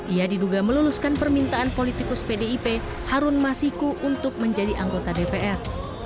ia diduga meluluskan permintaan politikus pdip harun masiku untuk menjadi anggota dpr